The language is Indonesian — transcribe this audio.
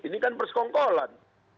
ini kan persekongkolan